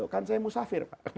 kan saya musafir